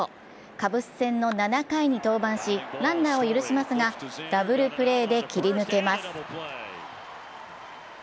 カブス戦の７回に登板しランナーを許しますがダブルプレーで切り抜けます。